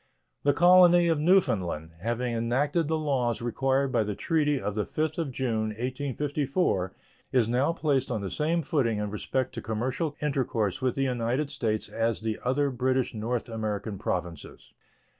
The colony of Newfoundland, having enacted the laws required by the treaty of the 5th of June, 1854, is now placed on the same footing in respect to commercial intercourse with the United States as the other British North American Provinces.